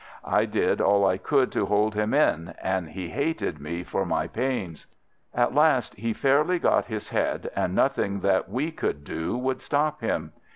I did all I could to hold him in, and he hated me for my pains. "At last he fairly got his head, and nothing that we could do would stop him.